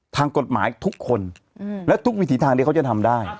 ทางกฎหมายทุกคนและทุกวิถีทางที่เขาจะทำได้